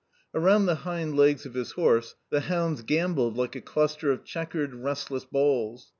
Around the hind legs of his horse the hounds gambolled like a cluster of checkered, restless balls.